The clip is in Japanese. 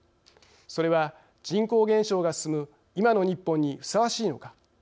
それは人口減少が進む今の日本にふさわしいのか。